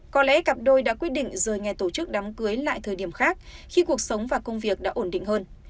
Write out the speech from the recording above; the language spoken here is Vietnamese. có lẽ cặp đôi đã quyết định rời nhà tổ chức đám cưới lại thời điểm khác khi cuộc sống và công việc đã ổn định hơn